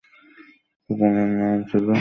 তখন এর নাম ছিল পাকিস্তান অবজার্ভার।